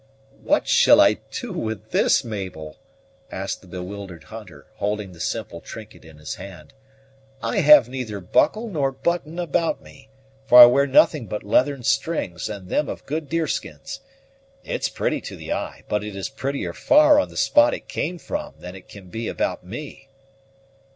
"What shall I do with this, Mabel?" asked the bewildered hunter, holding the simple trinket in his hand. "I have neither buckle nor button about me, for I wear nothing but leathern strings, and them of good deer skins. It's pretty to the eye, but it is prettier far on the spot it came from than it can be about me."